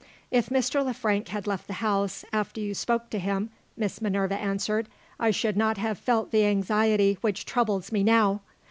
"If Mr. Le Frank had left the house, after you spoke to him," Miss Minerva answered, "I should not have felt the anxiety which troubles me now.